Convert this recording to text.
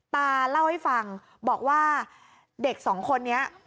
ตาเล่าให้ฟังบอกว่าเด็กสองคนนี้